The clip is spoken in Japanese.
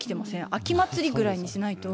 秋祭りぐらいにしないと。